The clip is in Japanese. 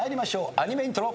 アニメイントロ。